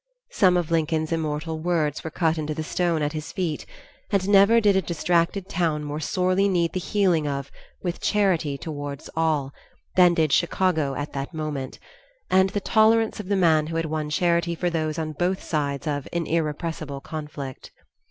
Some of Lincoln's immortal words were cut into the stone at his feet, and never did a distracted town more sorely need the healing of "with charity towards all" than did Chicago at that moment, and the tolerance of the man who had won charity for those on both sides of "an irrepressible conflict."